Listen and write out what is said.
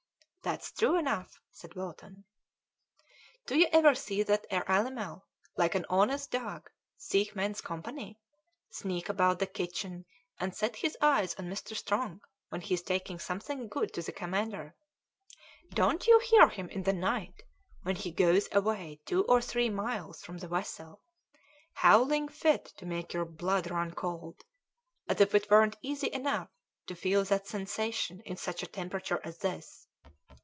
"That's true enough," said Bolton. "Do you ever see that 'ere animal, like an honest dog, seek men's company, sneak about the kitchen, and set his eyes on Mr. Strong when's he taking something good to the commander? Don't you hear him in the night when he goes away two or three miles from the vessel, howling fit to make your blood run cold, as if it weren't easy enough to feel that sensation in such a temperature as this?